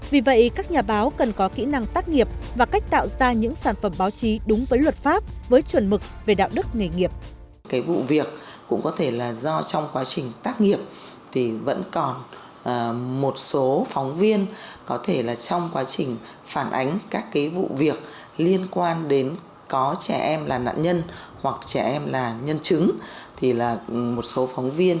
vậy các nhà báo cần có kỹ năng tác nghiệp và cách tạo ra những sản phẩm báo chí đúng với luật pháp với chuẩn mực về đạo đức nghề nghiệp